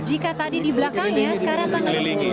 jika tadi di belakangnya sekarang bagaimana